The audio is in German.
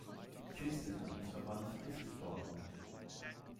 Sitz des Landesverbands ist Dortmund.